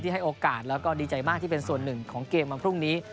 ให้โอกาสแล้วก็ดีใจมากที่เป็นส่วนหนึ่งของเกมวันพรุ่งนี้